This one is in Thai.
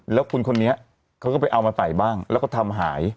แล้วคุณคนนี้เขาก็ไปเอามาใส่บ้างแล้วก็ทำหาย